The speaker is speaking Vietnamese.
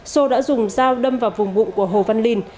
xô đã dùng dao đâm vào vùng bụng của hồ văn linh